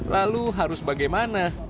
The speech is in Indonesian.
lalu harus bagaimana